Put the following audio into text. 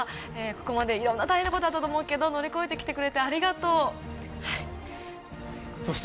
ここまでいろんな大変なことがあったと思うんですけれども乗り越えてきてくれてありがとう。